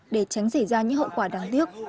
để tránh xảy ra những hậu quả đáng tiếc